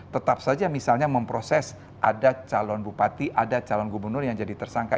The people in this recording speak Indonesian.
tetap saja misalnya memproses ada calon bupati ada calon gubernur yang jadi tersangka